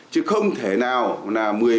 chứ không thể nào là